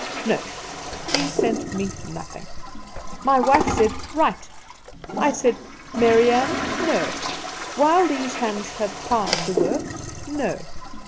No; he sent me nothing. "My wife said, 'Write.' I said, 'Mary Ann, NO. While these hands have power to work, NO.